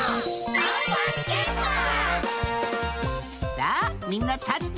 さあみんな立って。